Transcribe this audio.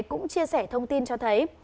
cũng chia sẻ thông tin cho thấy